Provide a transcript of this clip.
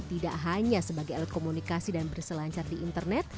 tidak hanya sebagai alat komunikasi dan berselancar di internet